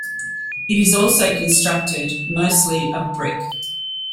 It is also constructed mostly of brick.